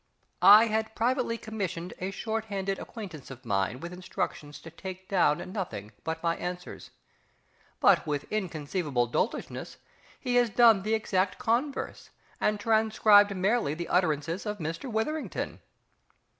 I had privately commissioned a shorthanded acquaintance of mine with instructions to take down nothing but my answers, but with inconceivable doltishness he has done the exact converse, and transcribed merely the utterances of Mister WITHERINGTON!